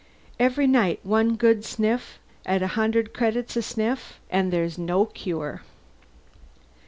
Every night, one good sniff at a hundred credits a sniff. And there's no cure."